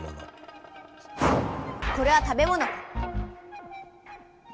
これは食べものか。